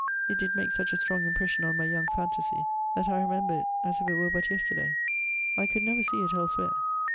It did make such a strong impression on my young phantasy, that I remember it as if it were but yesterday. I could never see it elswhere.